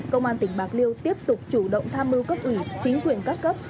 công an tỉnh bạc liêu tiếp tục chủ động tham mưu cấp ủy chính quyền các cấp